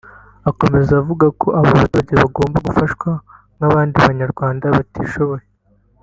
Akomeza avuga ko aba baturage bagomba gufashwa nk’abandi banyarwanda batishoboye